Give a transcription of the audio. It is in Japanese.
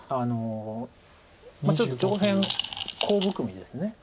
ちょっと上辺コウ含みです。